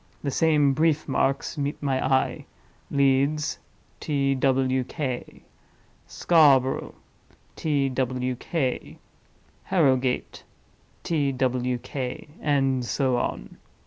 The same brief marks meet my eye. 'Leeds. T. W. K.—Scarborough. T. W. K.—Harrowgate. T. W. K.'—and so on.